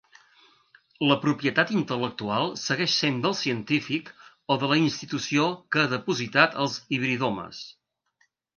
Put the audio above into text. La propietat intel·lectual segueix sent del científic o de la institució que ha depositat els hibridomes.